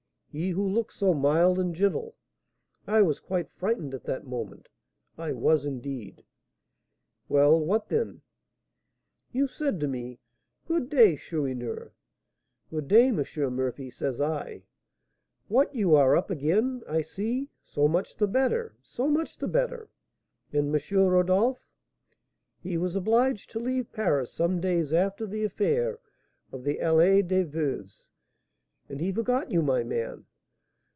he who looked so mild and gentle! I was quite frightened at that moment; I was, indeed " "Well, what then?" "You said to me, 'Good day, Chourineur.' 'Good day, M. Murphy,' says I. 'What, you are up again, I see! So much the better, so much the better. And M. Rodolph?' 'He was obliged to leave Paris some days after the affair of the Allée des Veuves, and he forgot you, my man.'